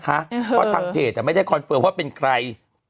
เพราะทางเพจไม่ได้คอนเฟิร์มว่าเป็นใคร